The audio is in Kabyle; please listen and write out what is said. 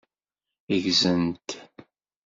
Ggzen-t.